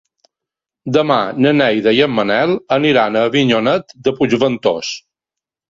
Demà na Neida i en Manel aniran a Avinyonet de Puigventós.